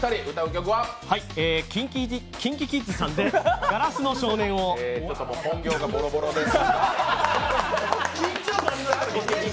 きんＫｉｎＫｉＫｉｄｓさんで「硝子の少年」を。もう本業がボロボロです。